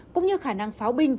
cũng như khả năng pháo binh